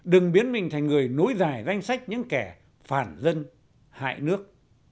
đừng biến mình thành người nối dài danh sách những kẻ phản dân hại nước